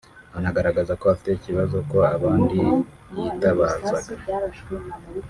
Anagaragaza ko afite ikibazo ko abandi yitabazaga